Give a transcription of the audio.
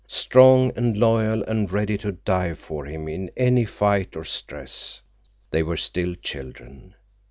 Strong and loyal and ready to die for him in any fight or stress, they were still children.